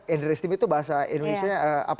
underestimating itu bahasa apa